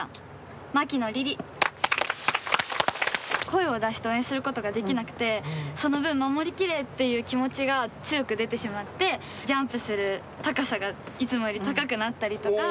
声を出して応援することができなくてその分「守り切れ！」っていう気持ちが強く出てしまってジャンプする高さがいつもより高くなったりとか。